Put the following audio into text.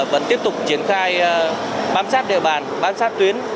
vẫn tiếp tục triển khai bám sát địa bàn bám sát tuyến